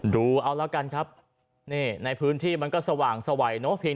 ดูเอาแล้วกันครับนี่ในพื้นที่มันก็สว่างสวัยเนอะเพียง